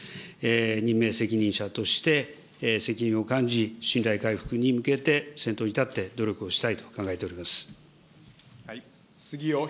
任命責任者として責任を感じ、信頼回復に向けて、先頭に立って努力をしたいと考えております。